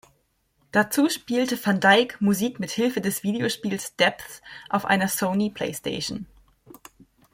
Dazu spielte van Dijk Musik mit Hilfe des Videospiels "Depth" auf einer Sony Playstation.